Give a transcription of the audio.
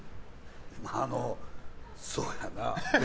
あのそうやな。